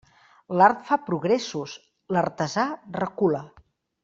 L'art fa progressos, l'artesà recula.